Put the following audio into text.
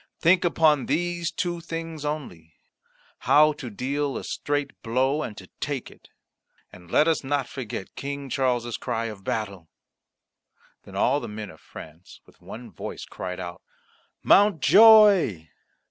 Think upon these two things only how to deal a straight blow and to take it. And let us not forget King Charles's cry of battle." Then all the men of France with one voice cried out, "Mountjoy!"